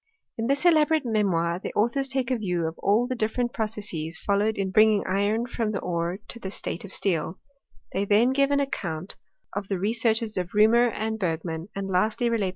In this elaborate memoir the authors take a view of all the different processes followed in bringing iron from the ore to the stc^ of steel : they then give an account of 280 UlSTDBT 01 CHLSriSTlIT, the researclifct c>f Reaumur and of Berrmami : and lasdy relutt the I!